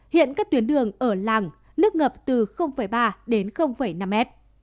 hiện các tuyến đường ở làng nước ngập từ ba đến năm mét